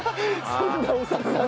そんなお札。